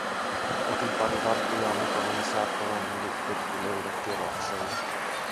Otin pari vartijaa mukaani saattamaan minut pötkylöiden kierrokselle.